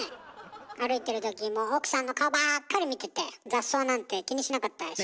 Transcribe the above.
歩いてるときも奥さんの顔ばっかり見てて雑草なんて気にしなかったでしょ。